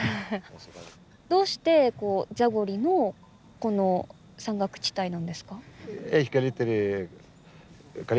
どうしてザゴリのこの山岳地帯なんですか？